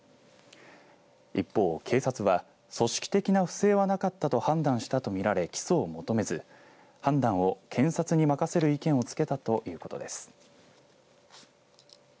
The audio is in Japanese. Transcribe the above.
一方、警察は組織的な不正はなかったと判断したと見られ起訴を求めず判断を検察に任せる意見を付けたということです。